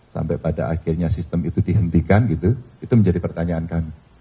sampai pada akhirnya sistem itu dihentikan gitu itu menjadi pertanyaan kami